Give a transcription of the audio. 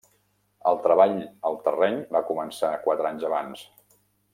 El treball al terreny va començar quatre anys abans.